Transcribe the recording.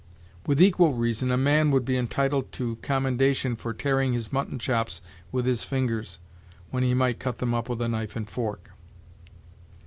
With equal reason a man would be entitled to commendation for tearing his mutton chops with his fingers, when he might cut them up with a knife and fork.